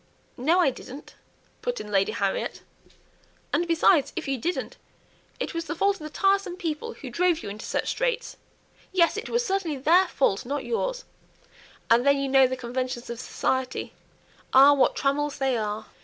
"No, I didn't," put in Lady Harriet. "And besides, if you didn't, it was the fault of the tiresome people who drove you into such straits yes, it was certainly their fault, not yours and then you know the conventions of society ah, what trammels they are!"